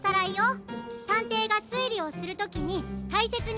たんていがすいりをするときにたいせつにするべきことは？